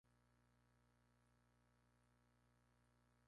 Algunos habitantes cruzaron la frontera en dirección a Serbia.